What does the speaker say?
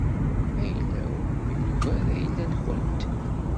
Ayla-w yugar ayla-nkent.